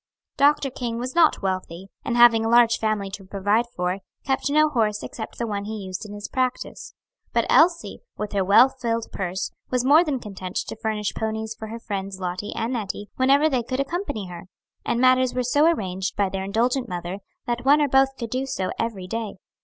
Dr. King was not wealthy, and having a large family to provide for, kept no horse except the one he used in his practice; but Elsie, with her well filled purse, was more than content to furnish ponies for her friends Lottie and Nettie whenever they could accompany her; and matters were so arranged by their indulgent mother that one or both could do so every day.